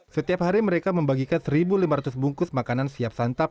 setiap hari mereka membagikan satu lima ratus bungkus makanan siap santap